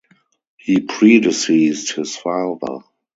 He predeceased his father.